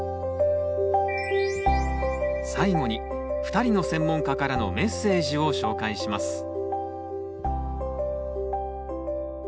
最後に２人の専門家からのメッセージを紹介します。